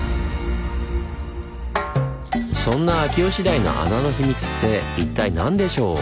そんな秋吉台の穴のヒミツって一体何でしょう？